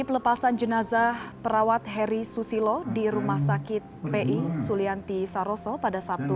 pelepasan jenazah perawat heri susilo di rumah sakit pi sulianti saroso pada sabtu